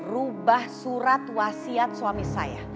rubah surat wasiat suami saya